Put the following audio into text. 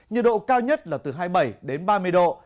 nhiệt độ cao nhất là từ hai mươi bảy đến ba mươi độ